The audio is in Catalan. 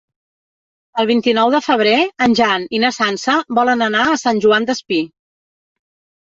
El vint-i-nou de febrer en Jan i na Sança volen anar a Sant Joan Despí.